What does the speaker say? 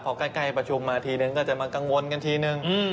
พอใกล้ไปประชุมมาจะมากังวลกันทีนึง